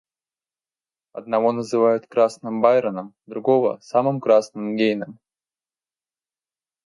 Одного называют красным Байроном, другого — самым красным Гейнем.